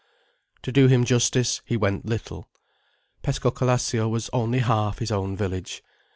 To do him justice, he went little. Pescocalascio was only half his own village.